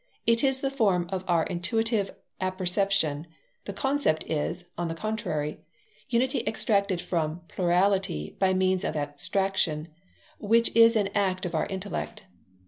It is the form of our intuitive apperception. The concept is, on the contrary, unity extracted from plurality by means of abstraction, which is an act of our intellect.